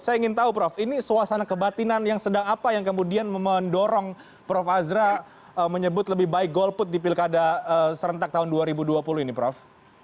saya ingin tahu prof ini suasana kebatinan yang sedang apa yang kemudian mendorong prof azra menyebut lebih baik golput di pilkada serentak tahun dua ribu dua puluh ini prof